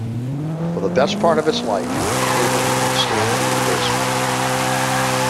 For the best part of its life, the table has been standing in the basement.